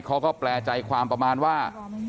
เขาก็แปลใจความประมาณว่า